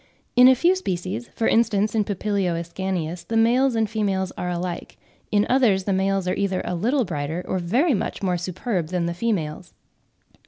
In a few species, for instance in P. ascanius, the males and females are alike; in others the males are either a little brighter, or very much more superb than the females.